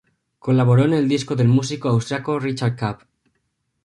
Colaboró en el disco del músico austríaco Richard Kapp.